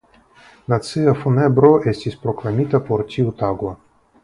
Nacia funebro estis proklamita por tiu tago.